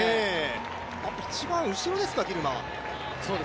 一番後ろですか、ギルマ。